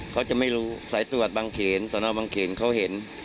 เขาจะไม่รู้สายตรวจบางเขนสนบังเขนเขาเห็น